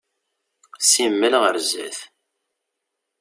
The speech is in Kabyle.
Simmal ɣer zdat.